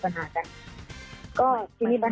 พ่อแบบแค่ไม่ต้องเอ่ย